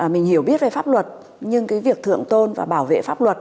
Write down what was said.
mình hiểu biết về pháp luật nhưng cái việc thượng tôn và bảo vệ pháp luật